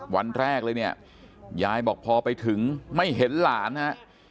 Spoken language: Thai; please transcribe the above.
วันแรกเลยเนี่ยยายบอกพอไปถึงไม่เห็นหลานฮะ